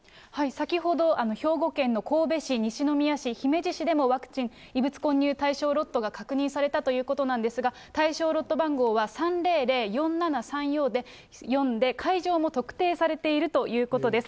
先ほど、兵庫県の神戸市、西宮市、姫路市でも、ワクチン異物混入対象ロットが確認されたということなんですが、対象ロット番号は３００４７３４で、会場も特定されているということです。